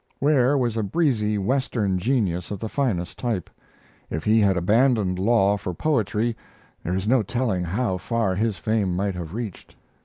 Ware was a breezy Western genius of the finest type. If he had abandoned law for poetry, there is no telling how far his fame might have reached.